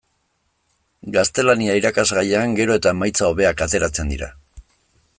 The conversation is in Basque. Gaztelania irakasgaian gero eta emaitza hobeak ateratzen dira.